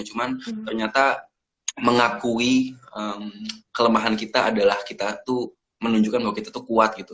cuman ternyata mengakui kelemahan kita adalah kita tuh menunjukkan bahwa kita tuh kuat gitu